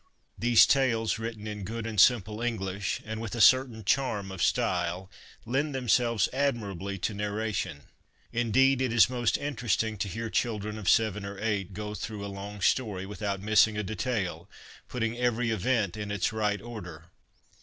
These tales, written in good and simple English, and with a certain charm 1 See Appendix A. LESSONS AS INSTRUMENTS OF EDUCATION 289 of style, lend themselves admirably to narration. Indeed, it is most interesting to hear children of seven or eight go through a long story without missing a detail, putting every event in its right order.